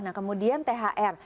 nah kemudian thr